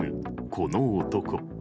この男。